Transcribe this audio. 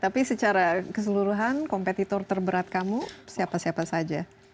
tapi secara keseluruhan kompetitor terberat kamu siapa siapa saja